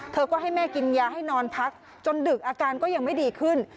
เธอก็ให้แม่กินยาให้นอนพักจนดึกอาการก็ยังไม่ดีขึ้น